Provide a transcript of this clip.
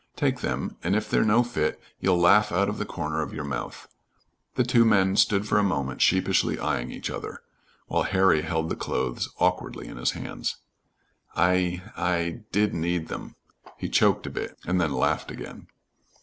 Take them, and if they're no fit, you'll laugh out of the other corner of your mouth." The two men stood a moment sheepishly eying each other, while Harry held the clothes awkwardly in his hands. "I I did need them." He choked a bit, and then laughed again.